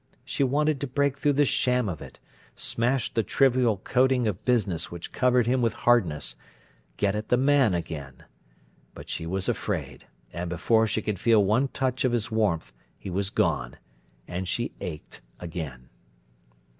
She wanted to break through the sham of it, smash the trivial coating of business which covered him with hardness, get at the man again; but she was afraid, and before she could feel one touch of his warmth he was gone, and she ached again.